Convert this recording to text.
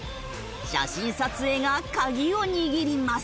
写真撮影が鍵を握ります。